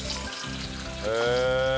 へえ。